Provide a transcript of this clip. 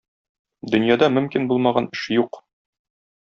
Дөньяда мөмкин булмаган эш юк.